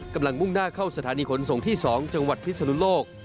มุ่งหน้าเข้าสถานีขนส่งที่๒จังหวัดพิศนุโลก